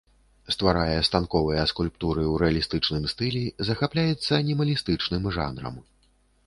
Стварае станковыя скульптуры ў рэалістычным стылі, захапляецца анімалістычным жанрам.